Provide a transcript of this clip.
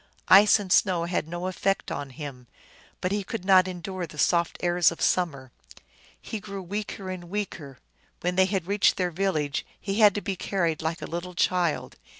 Ice and snow had no effect on him, but he could not endure the soft airs of summer. He grew weaker and weaker ; when they had reached their village he had to be carried like a little child.